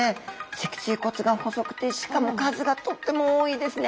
脊椎骨が細くてしかも数がとっても多いですね。